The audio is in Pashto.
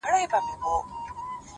ماپسې ډېر خلک کریمه لکه ته خراب دې